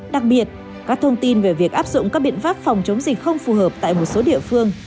đặc biệt các thông tin về việc áp dụng các biện pháp phòng chống dịch không phù hợp tại một số địa phương